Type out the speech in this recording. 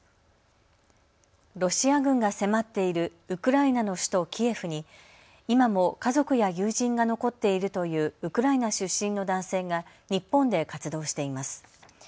ロシア軍が迫っているウクライナの首都キエフに今も家族や友人が残っているというウクライナ出身の男性が日本で活動しています。